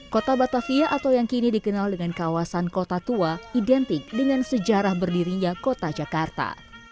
kota batavia atau yang kini dikenal dengan kawasan kota tua identik dengan sejarah berdirinya kota jakarta